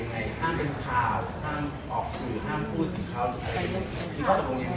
แต่แฟนแต่ผู้หญิงที่ไม่ใช่รักษา